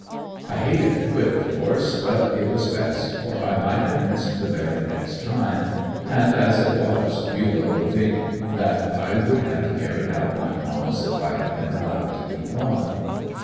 I hated to quit of course, but it was best, for I might have missed the very next time, and as it was Bulah would think that I would have carried out my promise if I had been allowed to keep on.